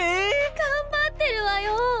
頑張ってるわよ！